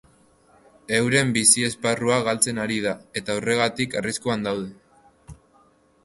Euren bizi-esparrua galtzen ari da, eta horregatik arriskuan daude.